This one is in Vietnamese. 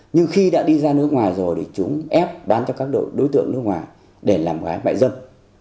nhưng khi đã đi ra nước ngoài rồi thì chúng ép bán cho các đối tượng nước ngoài để làm gái mại dâm